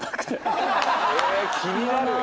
・気になる！